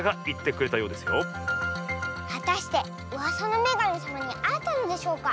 はたしてうわさのめがみさまにあえたのでしょうか？